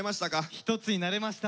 一つになれました。